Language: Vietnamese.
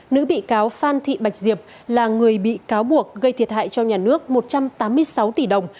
nữ bị cáo phan thị bạch diệp là người bị cáo buộc gây thiệt hại cho nhà nước một trăm tám mươi sáu tỷ đồng